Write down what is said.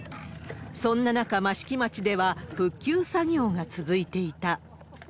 そんな中、益城町では復旧作業が続いていた。